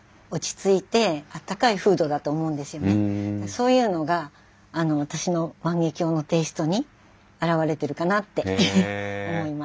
そういうのが私の万華鏡のテイストに表れてるかなって思います。